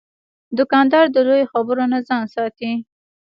دوکاندار د لویو خبرو نه ځان ساتي.